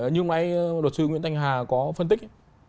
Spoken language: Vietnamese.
như hôm nay luật sư nguyễn thanh hà có phân tích